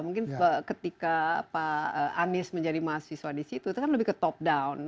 mungkin ketika pak anies menjadi mahasiswa di situ itu kan lebih ke top down